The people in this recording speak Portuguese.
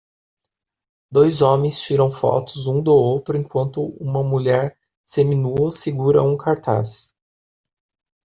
Dois homens tiram fotos um do outro enquanto uma mulher seminua segura um cartaz